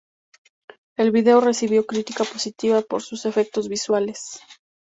El video recibió crítica positivas por sus efectos visuales.